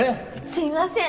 すいません！